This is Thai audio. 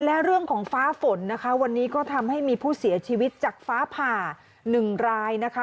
และเรื่องของฟ้าฝนนะคะวันนี้ก็ทำให้มีผู้เสียชีวิตจากฟ้าผ่าหนึ่งรายนะคะ